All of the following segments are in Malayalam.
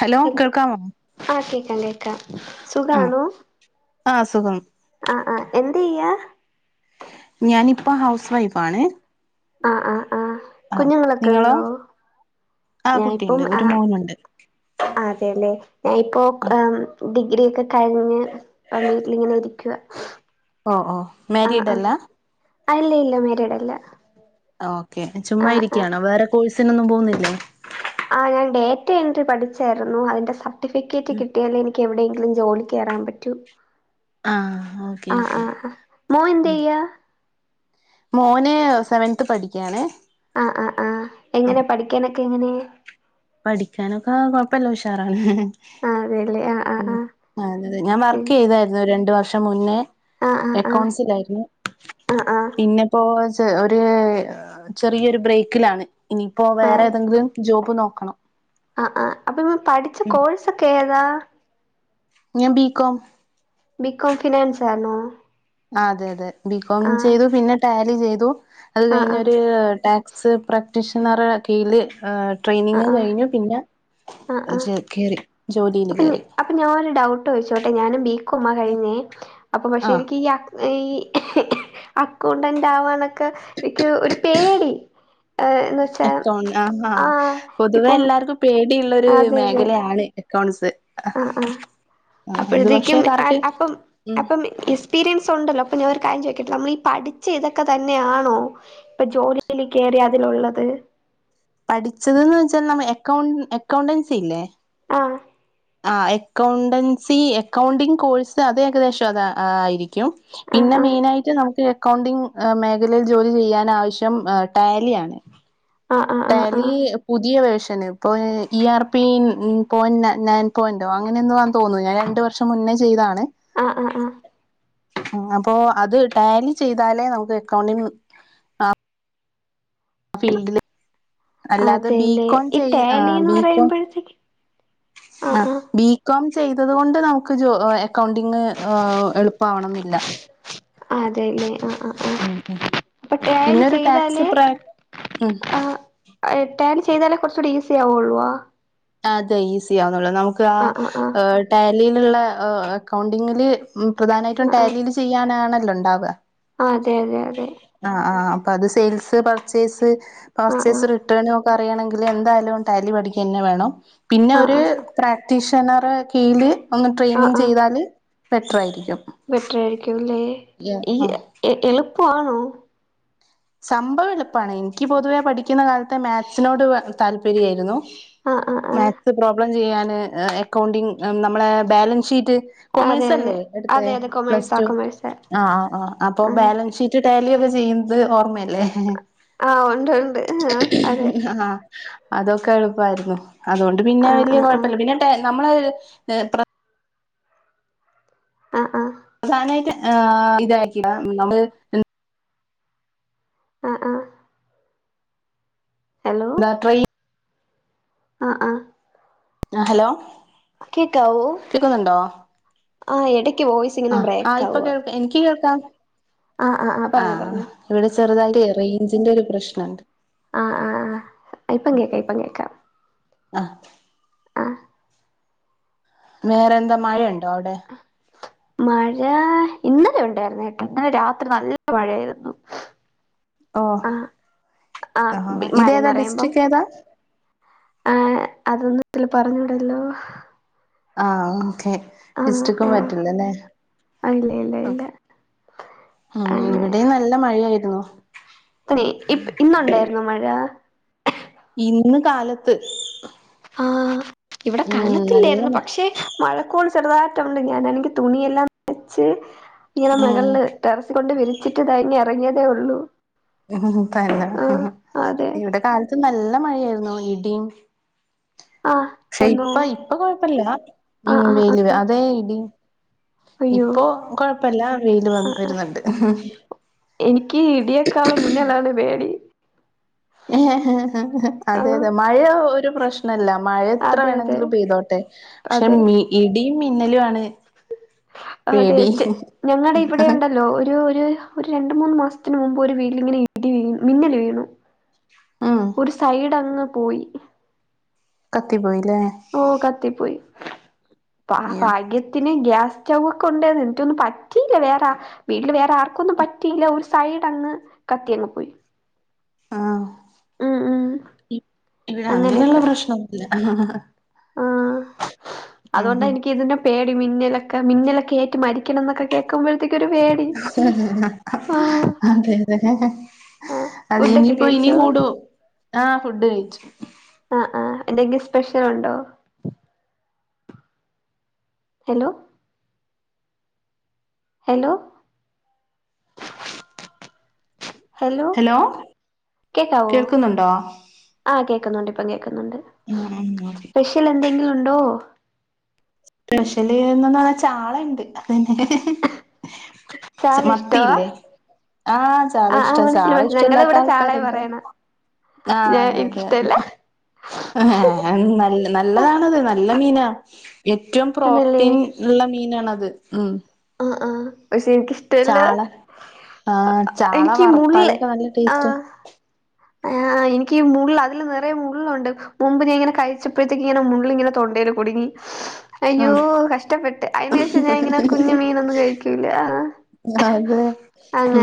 ഹലോ കേൾക്കാമോ മം കേക്കാം സുഖാണോ ആ സുഖം ആ ആ എന്ത് ചെയ്യാ ഞാനിപ്പം ഹൗസ് വൈഫാണേ ആആ ആ കുഞ്ഞുങ്ങളൊക്കെ ഒണ്ടോ ആ കുട്ടിയുണ്ട് ഒരു മോനുണ്ട് അതെയല്ലേ ഞാനിപ്പോ ആഹ് ആ ഡിഗ്രി ഒക്കെ കഴിഞ്ഞ് വീട്ടിലിങ്ങനെ ഇരിക്കുവാ ഓ ഓ ആ മ്യാരീഡ് ആ അല്ല അല്ല ഇല്ല മ്യാരീടല്ല ഓക്കെ ചുമ്മായിരിക്കയാണോ വേറെ കോഴ്സിനൊന്നും പോവുന്നില്ലേ ആ ഞാൻ ഡേറ്റ എൻട്രി പഠിച്ചായിരുന്നു അതിന്റെ സർട്ടിഫിക്കറ്റ് കിട്ടിയാൽ എനി ക്ക് എവിടെയെങ്കിലും ജോലിക്ക് കേറാൻ പറ്റൂ ആഹ് ഓക്കെ ആ ആ ഓക്കെ ആ മോൻ എന്തയ്യാ മോന് സെവൻത് പഠിക്കാണെ ആ ആ എങ്ങനെ പഠിക്കാനൊക്കെ എങ്ങനെ പഠിക്കാനൊക്കെ കൊഴപ്പല്ല ഉഷാറാണ് ആ അതെല്ലേ ആ ആ ഉം ആ അതെ ഞാൻ വർക്ക് ഉം ചെയ്താ യ്രുന്നു രണ്ടു വർഷം മുന്നേ ആ ആ ആ എക്കൗണ്ട്സിലായിരുന്നു. ആഹ് ആഹ് പിന്നപ്പോ ത് ഒര് ചെറിയൊരു ബ്രേക്കിലാണ് ഇനിയിപ്പോ വേറെ ഏതെങ്കിലും ജോബ് നോക്കണം ആ ആ അപ്പൊ [unintelligible] പഠിച്ച കോഴ്സൊക്കെ ഏതാ ഞാൻ ബി. Com B. കോം ഫിനാൻസാർന്നൊ അതെ അതെ ബി. കോം ചെയ്തു പിന്നെ ടാലി ചെയ്തു അത് ആഹ് ആഹ് കഴിഞ്ഞൊരു ടാക്സ് പ്രാക്ടീഷണറെ കീഴില് ആഹ് ട്രെയിനിങ് ആഹ് കഴിഞ്ഞു പിന്നെ ആഹ് ആഹ് [unintelligible] കേറി ജോലിയില് അപ്പൊ കേറി അപ്പൊ ഞാനൊരു ഡൗട്ട് ചോയിച്ചോട്ടെ ഞാനും ബി. കോംമാ കഴിഞ്ഞേ അപ്പൊ പക്ഷെ ആ എനിക്ക് ഈ അക്ക് ഈ അക്കൗണ്ടന്റ് ആവാനൊക്കെ എനിക്ക് ഒരു പേടി ഏഹ് എന്ന് വെച്ചാ അക്കൗണ്ട് ആ ആ ആഹ് പൊതുവെ ഇപ്പം എല്ലാർക്കും പേടിയുള്ളൊരു മേഖലയാണി ത് എക്കൗൺസ് ആ ആ പക്ഷെ അപ്പഴ്ത്തേക്കും കറക്റ്റ് അപ്പം ഉം അപ്പം എക്സ്പീരിയൻസ് ഒണ്ടല്ലോ അപ്പൊ ഞാൻ ഒരു കാര്യം ചോയിക്കട്ടെ നമ്മളീ പഠിച്ച ഇതൊക്കെ തന്നെയാണോ ഇപ്പൊ ജോലിയില് കേറിയാ അതിലുള്ളത് പഠിച്ചത് ന്ന് വെച്ചാൽ നമ്മ എക്കൗൺ എക്കൗണ്ടൻസി ഇല്ലേ ആ ആ എക്കൗണ്ടൻസി എക്കൗണ്ടിംഗ് കോഴ്സ് അത് ഏകദേശം അതാ ആയിരിക്കും ആഹ് പിന്നെ ആഹ് മെയിനായിട്ട് നമുക്ക് അക്കൗണ്ടിംഗ് മേഖലയിൽ ജോലി ചെയ്യാൻ ആവശ്യം ടാലി ആണ് ആഹ് ആഹ് ടാലി ആഹ് പുതിയ വേർ ർഷന് ഇപ്പൊ ഇ. ആർ. പി. ഈ പോയിന്റ് നയൻ പോയിന്റോ അങ്ങനെ എന്തോ ആന്ന് തോന്നുന്നു ഞാൻ രണ്ടു വർഷം മുൻ ന്നെ ചെയ്താണ് ആ ആ ആ അപ്പൊ അത് ടാലി ചെയ്താലേ നമുക്ക് അക്കൗണ്ടിന് ആ ഫീൽഡില് ആഹ് അല്ലാതെ അതെല്ലേ ബികോം ഈ ചെയ് ടാലിന്ന് ബി കോം പറയുമ്പോഴത്തേക്ക് ആഹ് ബികോം ചെയ്തത് കൊണ്ട് നമുക്ക് ജോ അക്കൗണ്ടിങ് എളുപ്പാവണം ന്നില്ല അതെല്ലേ ആ ആ ആ ഉം അപ്പ ടാലി പിന്നൊരു ടാക്സ് ചെയ്താലെ പ്ര ഉം ആ ടാലി ചെയ്താലേ കുറച്ച കൂടി ഈസി ആവുള്ളു അ അതെ ഈസി ആവുന്നുള്ളൂ നമുക്ക് ആഹ് ടാലിയിലുള്ള അക്കൗണ്ടിങ്ങില് ഉം പ്രധാനമായിട്ടും ആഹ് ആഹ് ടാലീല് ചെയ്യാനാണല്ലോ ഉണ്ടാവ അതെ അതെ അതെ അപ്പ അത് സെയിൽസ് പർച്ചേസ് ആഹ് ആഹ് പർച്ചേസ് റിട്ടേൺ ഒ ക്കെ അറിയണെങ്കിൽ എന്തായാലും ടാലി പഠിക്കന്നെ വേണം പിന്നെ ആഹ് അവർ ആഹ് പ്രാ ടിഷനറെ കീഴിൽ ഒന്ന് ട്രെയിനിങ് ചെയ്താല് ബെറ്റർ ആയിരിക്കും ബെറ്റർ ആയിരിക്കുംല്ലെ ഈ ആഹ് എളുപ്പ ആണോ സംഭവം എളുപ്പാണ് എനിക്ക് പൊതുവേ പഠിക്കുന്ന കാലത്തെ മാത്‌സിനോട് താല്പര്യായിരുന്നു ആഹ് ആഹ് ആഹ് മാത്സ് പ്രോബ്ലം ചെയ്യാൻ അക്കൗണ്ടിംഗ നമ്മളെ ബാലൻസ് ഷീറ്റ് അതെ അതെ കൊമേഴ്സ്ല്ലേ എടുത്ത അതെ അതെ പ്ലസ് കൊമേഴ്സാ ടു കൊമേഴ്സാ ആഹ ആ് അപ്പൊ ആഹ് ബാലൻസ് ഷീറ്റ് ടാലിക്കെ ചെയ്യുന്നത് ഓർമ്മയല്ലേ ആഹ് ഉണ്ട് ഉണ്ട് ആ അതെ ആ അതൊക്കെ എളുപ്പായിരുന്നു അതുകൊണ്ട് പിന്നെ ആഹ് വലിയ ആഹ് ആഹ് കുഴപ്പില്ല പിന്നെ [unintelligible] നമ്മള് [unintelligible] ആ ആ പ്രധാനമായിട്ട് ഇതാക്കിയ നമ്മള് ആ ആ [unintelligible] ആഹ ആഹ ആ ഹലോ കേക്കാവോ കേക്കുന്നുണ്ടോ ആഹ് എടയ്ക്ക് വോയിസ് ഇങ്ങനെ ആ് ആ ബ്രേക്ക് ഇപ്പൊ ആവുവാ കേൾക്കാം എനിക്ക് കേൾക്കാം ആഹ് ആഹ് ആഹ് പറഞ്ഞോ ആഹ പറഞ്ഞോ ഇവിടെ ചെറുതായി് റേഞ്ചിന്റെ ഒരു പ്രശ്നംുണ്ട് ആഹ ആഹ ആ ഇപ്പം കേൾക്കാ ഇപ്പം കേക്ക ആഹ് ആഹ വേറെ എന്താ മഴയുണ്ടോ അവിടെ മഴ ഇന്നലെ ഉണ്ടായിരുന്നു [unintelligible] ഇന്നലെ രാത്രി നല്ല മഴയായിരുന്നു ഓ ആഹ് ആഹ ആഹ് മഴ ഇതേതാ പറയുമ്പോ ഡിസ്ട്രിക്ട് ഏതാ ആഹ അതൊന്നും ഇതില് പറഞ്ഞൂടല്ലൊ ആഹ ഓക്കേ ഡിസ്റ്റിക്കും ആ പറ്റില്ലല്ലേ ആ ഇല്ല ഇല്ല ഇല്ല ഉം ഇവിടെയും നല്ല മഴായിരുന്നു തന്നെ ഇന്നുണ്ടായിരുന്നു മഴ ഇന്ന് കാലത്ത് ആഹ് ഇവിടെ ഉം നല്ല കാലത്തില്ലായിരുന്നു മ പക്ഷെ മഴക്കോൾ ചെറുതായിട്ടുണ്ട് ഞാൻ എനിക്ക് തുണിയെല്ലാം പച്ച് ഇങ്ങനെ മകളില് ടെറസി കൊണ്ട് വിരിച്ചിട്ട് തങ്ങി ഇറങ്ങിയതേ ഉള്ളൂ ഉം ആ തന്ന അതെ ഇവിടെ കാലത്ത് നല്ല മഴയായിരുന്നു ഇടിയും ആ പക്ഷെ എന്നോ ഇപ്പ ഇപ്പൊ കൊഴപ്പില്ല ആ ആ ആ വയില് അതെ ഇടി അയ്യോ ഇപ്പോ കൊഴപ്പല്ല വെയില് ആ ആ വരുന്നുണ്ട് എനിക്ക് ഇടിയേക്കാളും മിന്നലാണ് പേടി ആ അതെ അതെ മഴ ഒരു പ്രശ്നല്ല മഴ എത്ര അതെ അതെ വേണമെങ്കിലും പെയ്തോട്ടെ പക്ഷെ അതെ ഇടിയും മിന്നലും ആണ് അതെ പേടി ഞങ്ങളുടെ ഇവിടെ ഉണ്ടല്ലോ ഒരു ഒരു ഒരു രണ്ട മൂന്ന്ു മാസത്തിന് മുമ്പ് ഒരു വീട്ടിങ്ങനെ ഇടി വീ മിന്നല് വീണു ഉം ഒരു സൈഡങ്ങ് പോയി കത്തി പോയി ഓ കത്തി പോയി ഭ അയ്യോ ഭാഗ്യത്തിനെ ഗ്യാസ് ചവുകൊണ്ടേനു എനിക്കൊന്നും പറ്റീല്ല വേറെ വീട്ടില് വേറെ ആർക്കൊന്നും പറ്റീല്ല ഒരു സൈഡങ്ങ് കത്തി അങ്ങു പോയി ആ ഉം ഉം ഇവിടങ്ങനൊള്ള പ്രശ്നൊന്നുമില്ല ആ അതുകൊണ്ടാ എനിക്കിതിന്റെ പേടി ഇടി മിന്നലൊക്കെ മിന്നലൊക്ക ഏറ്റു മരിക്കണം എന്നൊക്കെ കേൾക്കുമ്പം ആഹ് അതെ അതെ ആഹ് അത ഫുഡൊക്കെ ഇനിപ്പോ ഇനി കഴിച്ചോ കൂടുവോ ആ ഫുഡ് കഴിച്ചു ആ എന്തെങ്കിലും സ്പെഷ്യൽ ഉണ്ടോ ഹലോ ഹലോ ഹലോ കേക്കാവോ കേൾക്കുന്നുണ്ടോ ആ കേക്കുന്നുണ്ട് ഇപ്പ കേക്കുന്നുണ്ടെ ഉം ഉം ഓക്കെ സ്പെഷ്യൽ എന്തെങ്കിലും ഉണ്ടോ സ്പെഷ്യലിയേന്ന് പറഞ്ഞ ചാളയു ണ്ട് ചാള ഇഷ്ടവാ മത്തിയില്ലേ [unintelligible] ആ ആഹ് ആഹ് മനസ്സില് മനസ്സില് ഞങ്ങളിവിടെ ചാളയ പറയണെ ഞാൻ അതെ അതെ എനിക്കിഷ്ടല്ല നല്ല നല്ലതാണത് നല്ല മീനാ ഏറ്റവും തന്നല്ലേ പ്രോട്ടീൻ ഉള്ള മീനാണത് ഉ ആ പക്ഷേ എനിക്കിഷ്ടല്ല ആ ചാള എനിക്ക് മുള്ള് വറുത്താലൊക്കെ നല്ല ടേസ്റ്റ് ആ എനിയ്ക്കീ മുള്ളെ അതില് നിറയെ മുള്ളുണ്ട് മുമ്പ് ഞാനി ങ്ങനെ കഴിച്ചപ്പത്തേക്കെ മുള്ളിങ്ങനെ തൊണ്ടേലു കുടുങ്ങി അയ്യോ ആഹ് കഷ്ടപ്പെട്ടെ അതിനുശേഷം ഞാൻ ഇങ്ങനെ കുഞ്ഞെ മീനൊന്നും കഴിക്കൂല ആ അതെ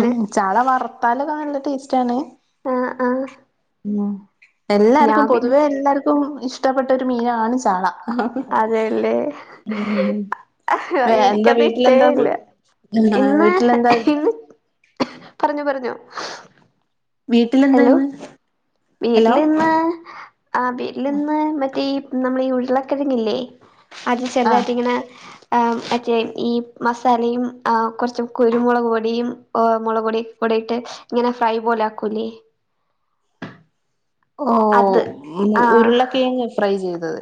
മ്മ് ചാള വറത്താലൊക്കെ നല്ല ടേസ്റ്റ് ആണേ ആ ആ ഉ എല്ലാർക്കും പൊതുവേ എല്ലാർക്കും ഇഷ്ടപ്പെട്ടൊരു മീനാണ് ചാള അതെല്ലേ ഉ വ എന്താ എനിക്കത് വീട്ടിലെന്താ ഇഷ്ടേല്ല ഫുഡ് ആ വീട്ടിലെന്താ പറഞ്ഞു പറഞ്ഞു വീട്ടിലെന്താ ഇന്ന് ഹലോ വീട്ടിലിന്നെ ആ വീട്ടിലിന്നെ മറ്റേ ഈ നമ്മളീ ഉരുളക്കിഴങ്ങില്ലേ അതിൽ ആഹ് ചെറുതായിട്ടിങ്ങനെ ആ മറ്റേ ഈ മസാലയുംആ കുറച്ച് കുരുമുളക് പൊടിയും മുളക് പൊട് ട്ട് ഇങ്ങനെ ഫ്രൈ പോലാക്കൂല്ലേ ഓ അത് ഉ ആഹ് ഉരുളക്കിഴങ്ങെ ഫ്രൈ ചെയ്തത്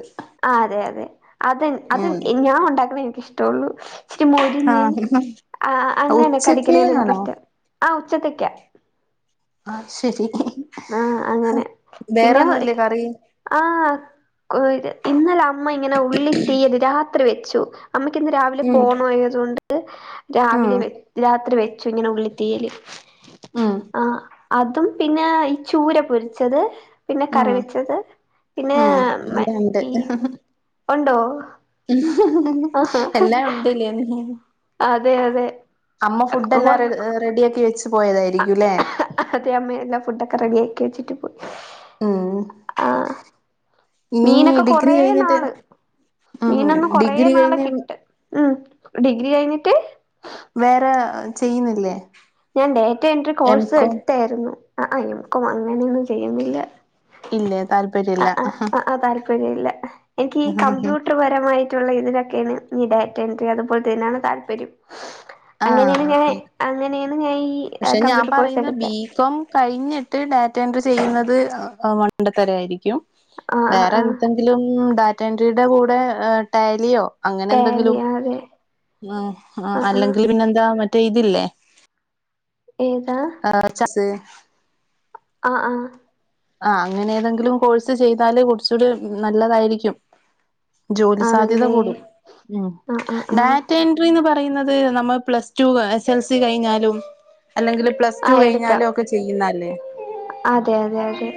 ആ അതെ അതെ അതെ അത് ഉം ഞാൻ ഉണ്ടാക്കണ എനിക്കിഷ്ടള്ളു ഇച്ചിരി മൊരിഞ്ഞ് ആ അങ്ങനെ ഉച്ചക്ക് കടിക്കണന്ന് ആണോ എനിക്കിഷ്ടം ആ ഏത്തക്ക ആ ശരി അങ്ങനെ പിന്നെ വേറെൊന്നുല്ലേ കറി ആ കു ഇന്നലെ അമ്മ ഇങ്ങനെ ഉള്ളി തീയലെ രാത് കറി വെച്ചു അമ്മക്ക് ഇന്ന് രാവിലെ ഉം പോണായതു കൊണ്ടിട്ടിട്ടെ ഉം രാവിലെ രാത്രി വെച്ച്‌ ച്ചു ഇങ്ങനെ ഉള്ളിത്തീയലെ ഉം ആ അതും പിന്നായി ചൂര പൊരിച്ചത് പിന്നെ ഉം കറിവിച്ചത് പിന്നെ ഉം എല്ലാം ഉണ്ട് മറ്റീ ഒണ്ടോ എല്ലാം ഉണ്ടല്ലിയോ അതെ അതെ അമ്മ ഫുഡില്ലാം റെഡി ആക്കി വെച്ച അ അതെ അമ്മ എല്ലാ ഫുഡൊക്കെ റെഡി ആക്കി വെച്ചിട്ട് പോയി. ഇമ്മ് ആഹ് മീനൊക്കെ കൊറേ കഴിഞ്ഞിട്ട് നാള് ഉം മീനൊന്ന് കൊറ ഡിഗ്രി നാള് കഴിഞ്ഞ് കിട്ട് ഉം ഡിഗ്രി കഴിഞ്ഞിട്ട് വേറെ ചെയ്യുന്നില്ലേ? ഞാൻ data entry M course com എടുത്തായിരുന്നു. അ അ [unintelligible] അങ്ങനെയൊന്നുംചെയ്യുന്നില്ല. ഇല്ലേ താല്പര്യ ഇല്ല [unintelligible] എനിക്ക് ഈ കമ്പ്യൂട്ടർ പരമായി് മറ്റുള്ള ഇതിനൊക്കെയണ് ഈ ഡാറ്റഎൻട്രി അതുപോലെതേനാണ് താല്പര്യം. ആഹ് അങ്ങനെണ് [unintelligible] ഓക്കെ അങ്ങനെയെ പക്ഷെ ഞാൻ പറയുന്നത് ബി കോം കഴിഞ്ഞിട്ട് ഡ രണ്ട് ചെയ്യുന്നത് മണ്ടത്തരം അ ആയിരിക്കും ആഹ് ആഹ് വേറെ ആഹ് എന്തെങ്കിലും ഡാ [unintelligible] കൂടെ ടാലിയോ അങ്ങനെ ടാലി എന്തെങ്കിലും അതെ മം മം ആഹ് ആഹ് അല്ലെങ്കിൽ പിന്നെന്താ മറ്റേ ഇതില്ലേ ഏതാ [unintelligible] ആഹ് ആഹ് ആ അങ്ങനെ ഏതെങ്കിലും കോഴ്സ് എടുത്ത് ചെയ്താല് കുറച്ചുകൂടി നല്ലതായിരിക്കും. ജോലി സാധ്യത ആണല്ലേ കൂടും ഉം ആഹ് ആഹ് ആഹ് ഡാറ്റ എൻട്രിന്ന് പറയുന്നത് നമ്മൾ plus two S L C കഴിഞ്ഞാലും അല്ലെങ്കിൽ പ്ലസ് ടു ആഹ് എടുക്കാം കഴിഞ്ഞാലും ഒക്കെ ചെയ്യുന്നല്ലേ? അതെ അതെ അതെ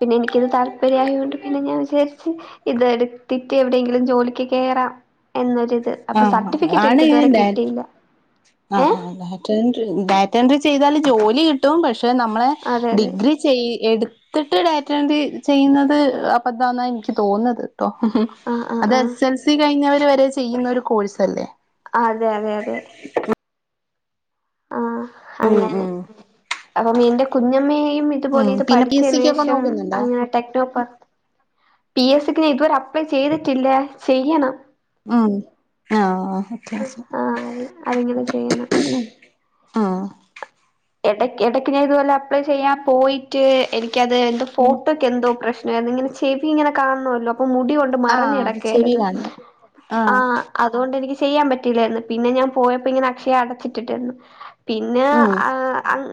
പിന്നെ എനിക്കിത് താല്പര്യം ആയതോണ്ട് പിന്നെ ഞാൻ വിചാരിച്ചു ഇതെടുത്തിട്ട് എവിടെയെങ്കിലും ജോലിക്ക് കേറാം. എന്നൊരു. ആ ആണ് ഡേ ആ ആ ഏഹ് ഡാറ്റ എൻഡ്രി ഡാറ്റാ എൻഡ്രി ചെയ്താൽ ജോലി കിട്ടും പക്ഷെ നമ്മളെ അതെ അതെ ഡിഗ്രി ചെയ് എട് ത്ട്ട് ഡാറ്റ എൻഡ്രി ചെയ്യുന്നത് അപധാന്ന എനിക്ക് തോന്നുന്നത്. ട്ടോ ആഹ് ആഹ് അത് ആഹ് എസ് എൽ സി കഴിഞ്ഞവർ വരെ ചെയ്യുന്ന ഒരു കോഴ്സ് അല്ലേ അതെ അതെ അതെ ആ ഉം അങ്ങനെ ഉം അപ്പംമിന്റെ കുഞ്ഞമ്മയേയും ഇതുപോലെ ഉം ഇത് പിന്നെ പി എസ് സിക്കൊക്കെ പഠിച്ചേനെഷം നോക്കുന്നുണ്ടോ അങ്ങനെ ടെക്നോപ്പർ പി എസ് ക്ക് ഇതുവരെ അപ്ലൈ ചെയ്തിട്ടില്ല ചെയ്യണം. ഉം ആ വെത്യാസം ആഹ് അത് അതിങ്ങനെ ചെയ്യണം ആ ഇടക്കെടെക്ക് ഞാൻ ഇതുപോലെ അപ്ലൈ ചെയ്യാ പോയിട്ട് എനിക്കത് എന്തോ ഉം ഫോട്ടോക്കെ എന്തോ പ്രശ്നം മേളിങ്ങനെ ചെവി ഇങ്ങനെ കാണല്ലോ അപ്പം മുടി കൊണ്ട് മറഞ് ആഹ് അത് ചെവി കിടക്കെരുന്നു കാണുന്നു ആ ആഹ് അതു കൊണ്ടേനിക് ചെയ്യാൻ പറ്റില്ലെർന്നു പിന്നെ ഞാൻ പോയപ്പോ ഇങ്ങനെ അക്ഷയ അടച്ചിട്ടിട്ടരുന്നു പിന്നെ ഉം ആ അങ്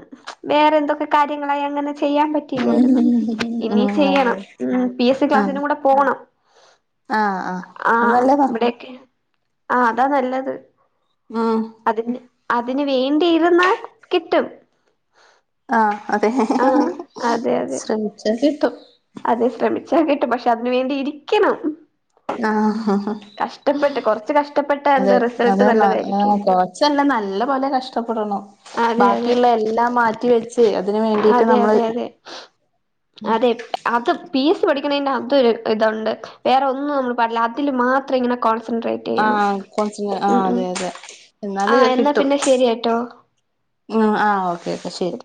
വേറെ എന്തൊക്കെ കാര്യങ്ങള അങ്ങനെ ചെയ്യാൻ ഉം പറ്റില്ലായിരുന്നു ഉം ഇനി ചെയ്യണം അതെ ഉം പി എസ് സി ആഹ് ക്ലാസ്സിനും കൂടെ പോണം. ആഹ് ആഹ് ആ അത് നല്ലതാ ഇബടെക്കെ ആ അതാ നല്ലത് ഉം അതിന്ന് അതിന് വേണ്ടിയിരുന്നാൽ കിട്ടും ആ അതെ ആഹ് അതെ അതെ ശ്രമിച്ചാൽ കിട്ടും അതെ ശ്രമിച്ചാ കിട്ടും പക്ഷെ അതിന് വേണ്ടി ഇരിക്കണം. ആ കഷ്ടപ്പെട്ട് കൊറച്ച് കഷ്ടപ്പെട്ടാ എന്താ അതെ റിസൾട്ട് അതെന്നെ നല്ലതായിരിക്കും കൊറച്ചെല്ലാം നല്ല പോലെ കഷ്ടപ്പെടണം അതെ അതെ ബാക്കിയുള്ള എല്ലാം മാറ്റിവെച്ച് അതിന് വേണ്ടിട്ട് അതെ നമ്മള് അതെ അതെ അതെ അത് പി എസ് സി പഠിക്കണത് ഒരു ഇതുണ്ട് വേറെ ഒന്നും നമ്മൾ പടില്ല അതിൽ മാത്രം ഇങ്ങനെ കോ ൺസൻട്രേറ്റ് ചെയ്യണം ആഹ് കൊറച്ച് മു ആഹ് മു അതെ അതെ ആ എന്നാ പിന്നെ ശരിയട്ടോ ഉ ആഹ് ഓക്കെ ഓക്കെ ശരി